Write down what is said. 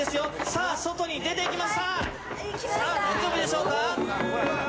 さあ大丈夫でしょうか？」